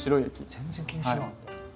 全然気にしてなかった。